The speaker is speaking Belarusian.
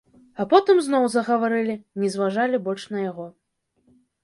А потым зноў загаварылі, не зважалі больш на яго.